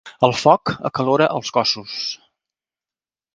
El foc acalora els cossos.